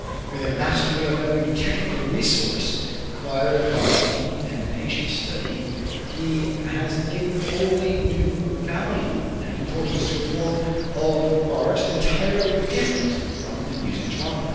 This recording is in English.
With a mastery of every technical resource, acquired by deep and patient study, he has given wholly new value and importance to a form of art entirely different from the music drama.